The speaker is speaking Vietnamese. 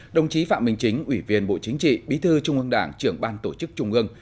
đồng chí phạm minh chính ủy viên bộ chính trị bí thư trung ương đảng trưởng ban tổ chức trung ương